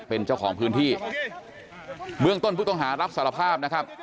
เป็นเจ้าของพื้นที่เบื้องต้นผู้ต้องหารับสารภาพนะครับ